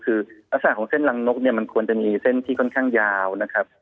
คือลักษณะของเส้นรังนกเนี่ยมันควรจะมีเส้นที่ค่อนข้างยาวนะครับ